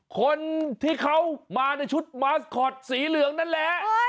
คนที่เขามาในชุดมาสคอตสีเหลืองนั่นแหละ